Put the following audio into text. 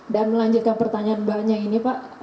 dan melanjutkan pertanyaan mbaknya ini pak